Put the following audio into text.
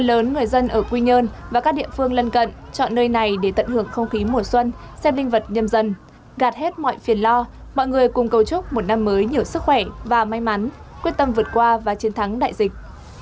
lượng lớn người dân ở quy nhơn và các địa phương lân cận chọn nơi này để tận hưởng không khí mùa xuân xem linh vật nhân dân gạt hết mọi phiền lo mọi người cùng cầu chúc một năm mới nhiều sức khỏe và may mắn quyết tâm vượt qua và chiến thắng đại dịch